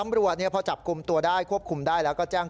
ไม่ดิฉันไม่ได้ตามเขาไปหรอก